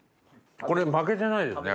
これ負けてないですね。